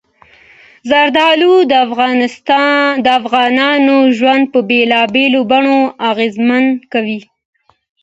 زردالو د افغانانو ژوند په بېلابېلو بڼو اغېزمن کوي.